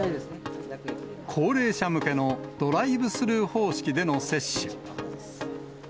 高齢者向けのドライブスルー方式での接種。